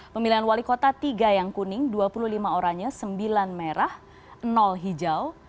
pemilihan wali kota tiga yang kuning dua puluh lima oranye sembilan merah hijau